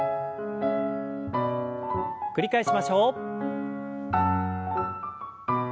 繰り返しましょう。